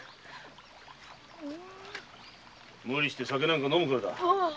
無理して酒なんか飲むからだ。